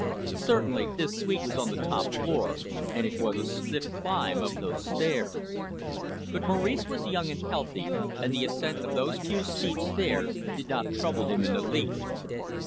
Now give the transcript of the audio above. Certainly, this suite was on the top floor, and it was a stiff climb up those stairs. But Maurice was young and healthy, and the ascent of those few steep stairs did not trouble him in the least.